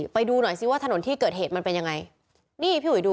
ไปดูหน่อยสิว่าถนนที่เกิดเหตุมันเป็นยังไง